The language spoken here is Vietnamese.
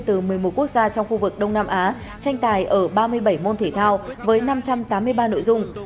từ một mươi một quốc gia trong khu vực đông nam á tranh tài ở ba mươi bảy môn thể thao với năm trăm tám mươi ba nội dung